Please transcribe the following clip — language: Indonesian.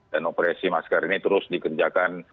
dan operasi masker ini terus dikerjakan